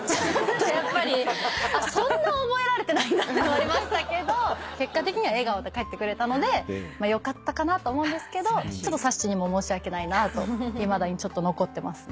やっぱりそんな覚えられてないんだってのはありましたけど結果的には笑顔で帰ってくれたのでよかったかなと思うんですけどさっしーにも申し訳ないなといまだにちょっと残ってます。